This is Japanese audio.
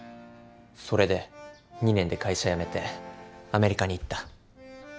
それで２年で会社辞めてアメリカに行った。